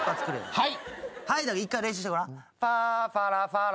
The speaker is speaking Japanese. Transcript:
はい！